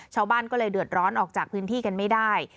ชาวบ้านก็เลยเดือดร้อนออกจากพื้นที่กันไม่ได้